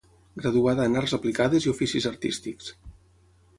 Graduada en Arts Aplicades i Oficis Artístics.